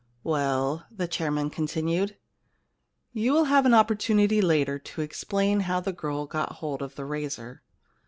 * Well,' the chairman continued, * you will have an opportunity later to explain how the girl got hold of the razor.